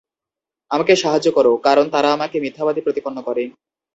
আমাকে সাহায্য কর, কারণ তারা আমাকে মিথ্যাবাদী প্রতিপন্ন করে।